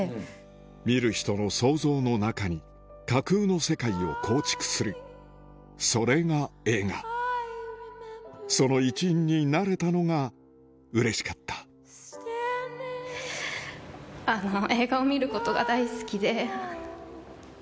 見る人の想像の中に架空の世界を構築するそれが映画その一員になれたのがうれしかったあの映画を見ることが大好きで。